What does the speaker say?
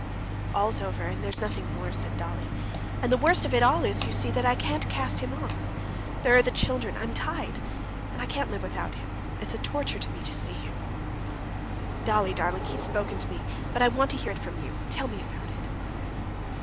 "All's over, and there's nothing more," said Dolly. "And the worst of all is, you see, that I can't cast him off: there are the children, I am tied. And I can't live with him! it's a torture to me to see him." "Dolly, darling, he has spoken to me, but I want to hear it from you: tell me about it."